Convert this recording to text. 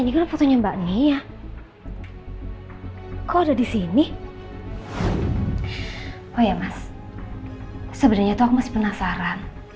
ini kan fotonya mbak nia kok udah di sini oh ya mas sebenarnya tuh aku masih penasaran